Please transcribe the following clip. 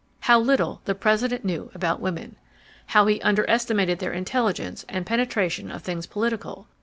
How little the President knew about women! How he underestimated their intelligence and penetration of things political